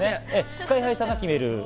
ＳＫＹ−ＨＩさんが決める。